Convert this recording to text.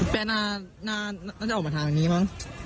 แป้งอ่าน่าจะออกมาทางนี้มั้ง